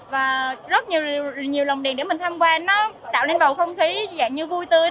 và rất nhiều lồng đèn để mình tham quan nó tạo nên bầu không khí dạng như vui tươi